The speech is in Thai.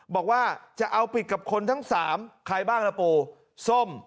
บอกว่าจะเอาผิดกับคนทั้ง๓ใครบ้างล่ะปูส้ม